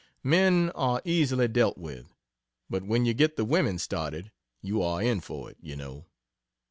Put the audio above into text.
Men are easily dealt with but when you get the women started, you are in for it, you know.